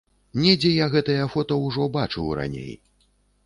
Недзе я гэтыя фота ўжо бачыў раней.